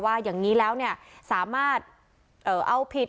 อย่างนี้แล้วเนี่ยสามารถเอาผิด